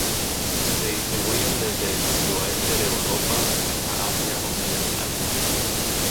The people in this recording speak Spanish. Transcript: Se distribuyen desde el sudoeste de Europa hasta Asia occidental.